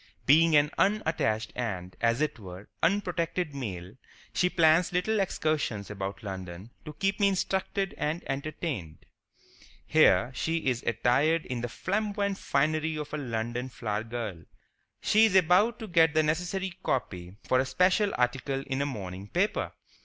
Being an unattached and, as it were, unprotected male, she plans little excursions about London to keep me instructed and entertained. Here she is attired in the flamboyant finery of a London flowergirl. She is about to get the necessary copy for a special article in a morning paper.